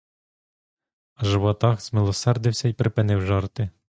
Аж ватаг змилосердився й припинив жарти.